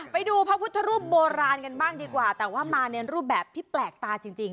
ไปดูพระพุทธรูปโบราณกันบ้างดีกว่าแต่ว่ามาในรูปแบบที่แปลกตาจริง